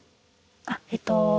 あっえっと。